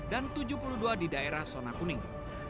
dan tujuh puluh dua di daerah zona kuning